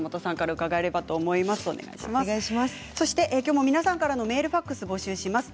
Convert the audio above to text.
今日も皆さんからのメール、ファックスを募集します。